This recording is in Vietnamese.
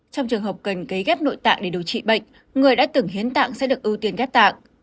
trong trường hợp cần cấy ghép nội tạng để điều trị bệnh người đã từng hiến tạng sẽ được ưu tiên ghép tạng